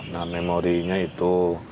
nah memorinya itu